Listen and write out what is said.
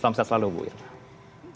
selamat siang selalu bu irman